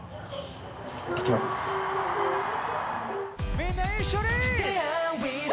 みんな一緒に！